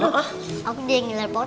oh aku udah ngelarpot